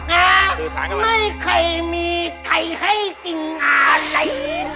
ไม่เคยมีใครให้สิ่งอะไร